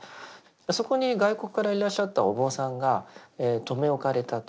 そこに外国からいらっしゃったお坊さんが留め置かれたと。